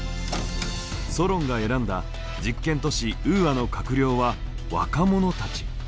ソロンが選んだ実験都市ウーアの閣僚は若者たち。